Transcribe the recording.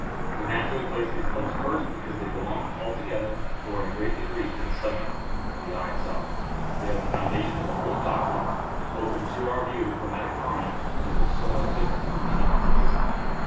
We naturally place these colours first, because they belong altogether, or in a great degree, to the subject to the eye itself. They are the foundation of the whole doctrine, and open to our view the chromatic harmony on which so much difference of opinion has existed.